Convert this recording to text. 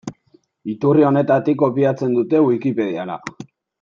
Iturri horretatik kopiatzen dute Wikipediara.